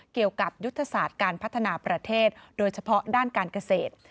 เกี่ยวกับยุทธศาสตร์การพัฒนาประเทศโดยเฉพาะด้านการเกษตร